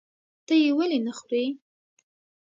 ته یې ولې نخورې؟